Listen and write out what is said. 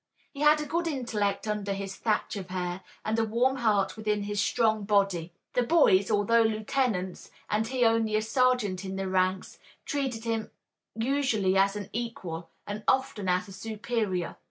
He had a good intellect under his thatch of hair, and a warm heart within his strong body. The boys, although lieutenants, and he only a sergeant in the ranks, treated him usually as an equal and often as a superior.